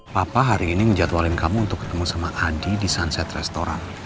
papa hari ini ngejadwalin kamu untuk ketemu sama adi di sunset restoran